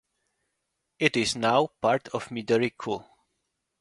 It is now part of Midori-ku.